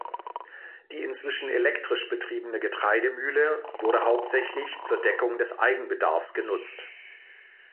Die inzwischen elektrisch betriebene Getreidemühle wurde hauptsächlich zur Deckung des Eigenbedarfs genutzt.